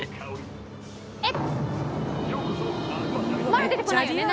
まだ出てこないよね？